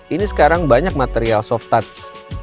ini sekarang banyak material soft touch